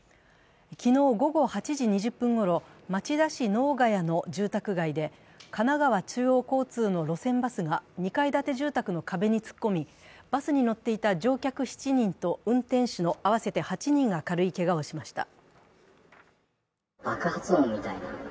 昨日午後８時２０分ごろ、町田市能ヶ谷の住宅街で、神奈川中央交通の路線バスが２階建ての住宅の壁に突っ込み、バスに乗っていた乗客７人と運転手の合わせて８人が軽いけがをしました。